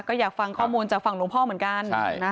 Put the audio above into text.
ก็อยากฟังข้อมูลจากฝั่งหลวงพ่อเหมือนกัน